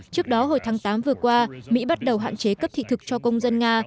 trước đó hồi tháng tám vừa qua mỹ bắt đầu hạn chế cấp thị thực cho công dân nga